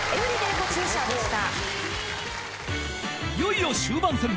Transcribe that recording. ［いよいよ終盤戦。